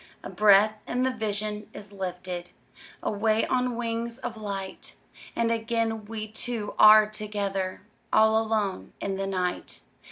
A breath, and the vision is lifted Away on wings of light, And again we two are together, All alone in the night.